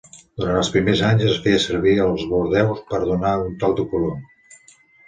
Durant els primers anys, es feia servir el bordeus per donar un toc de color.